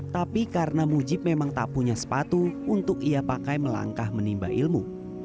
tapi karena mujib memang tak punya sepatu untuk ia pakai melangkah menimba ilmu